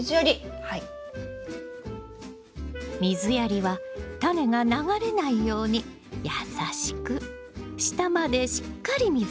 水やりはタネが流れないようにやさしく下までしっかり水を通すのよ。